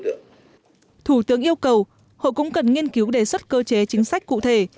trong thiên tai hội cũng cần nghiên cứu đề xuất cơ chế chính sách cụ thể